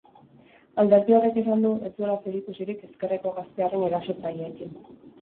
Alderdi horrek esan du ez duela zerikusirik ezkerreko gaztearen erasotzaileekin.